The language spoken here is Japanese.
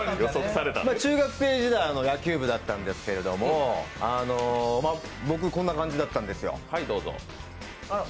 中学生時代、野球部だったんですけれども僕、こんな感じだったんですよ。